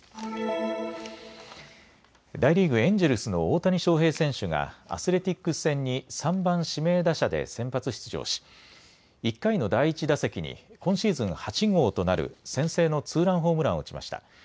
大リーグ、エンジェルスの大谷翔平選手がアスレティックス戦に３番・指名打者で先発出場し１回の第１打席に今シーズン８号となる先制のツーランホームランを打ちました。